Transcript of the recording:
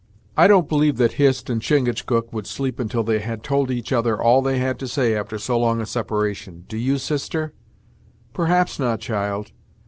"I don't believe that Hist and Chingachgook would sleep until they had told each other all they had to say after so long a separation do you, sister?" "Perhaps not, child.